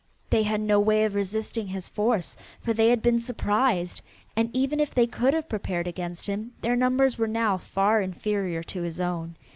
They had no way of resisting his force for they had been surprised, and even if they could have prepared against him, their numbers were now far inferior to his own.